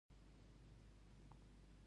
دا لړۍ له ستونزو او نیمګړتیاوو ډکه ده